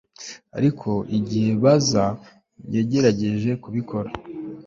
ariko igihe bazza yagerageje kubikora